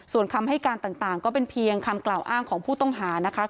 ส่วนคำให้การต่างก็เป็นเพียงคำกล่าวอ้างของผู้ต้องหานะคะ